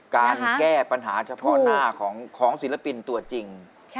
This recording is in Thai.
การแก้ปัญหาเฉพาะหน้าของศิลปินตัวจริง